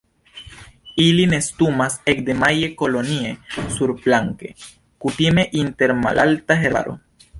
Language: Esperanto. Ili nestumas ekde maje kolonie surplanke, kutime inter malalta herbaro.